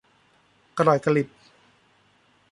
กะหล่อยกะหลิบ